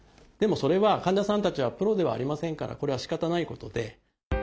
でもそれは患者さんたちはプロではありませんからこれはしかたないことで。